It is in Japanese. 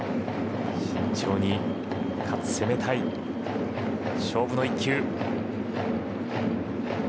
慎重に、かつ攻めたい勝負の一球。